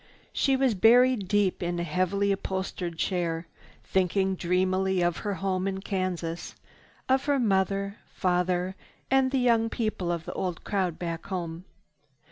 She was buried deep in a heavily upholstered chair, thinking dreamily of her home in Kansas, of her mother, father, and the young people of the old crowd back home.